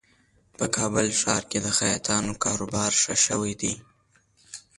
په کابل ښار کې د خیاطانو کاروبار ښه شوی دی